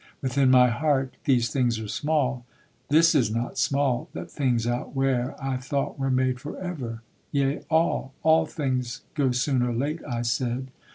Within my heart, these things are small; This is not small, that things outwear I thought were made for ever, yea, all, All things go soon or late, I said.